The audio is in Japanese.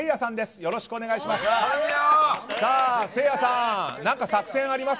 よろしくお願いします！